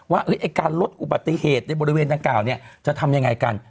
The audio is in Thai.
ว่าการลดอุบัติเหตุในบริเวณดังกล่าวเนี่ยจะทำยังไงกัน